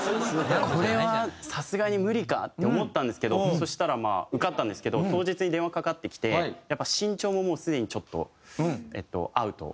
これはさすがに無理かって思ったんですけどそしたらまあ受かったんですけど当日に電話かかってきてやっぱ身長ももうすでにちょっとアウト。